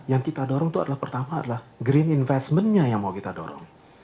yang kita dorong itu adalah pertama adalah green investment nya yang mau kita dorong